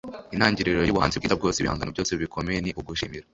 intangiriro yubuhanzi bwiza bwose, ibihangano byose bikomeye, ni ugushimira